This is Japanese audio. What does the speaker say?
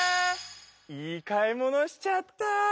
いい買い物しちゃった。